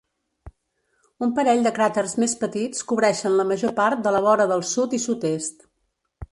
Un parell de cràters més petits cobreixen la major part de la vora del sud i sud-est.